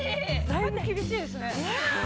だいぶ厳しいですね。